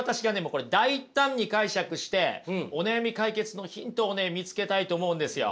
これ大胆に解釈してお悩み解決のヒントをね見つけたいと思うんですよ。